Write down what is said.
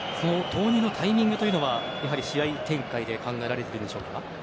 投入のタイミングは試合展開で考えられているんでしょうか。